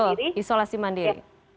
betul isolasi mandiri